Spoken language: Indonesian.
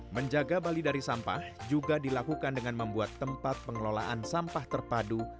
menjaga bali dari sampah juga dilakukan dengan membuat tempat pengelolaan sampah terpadu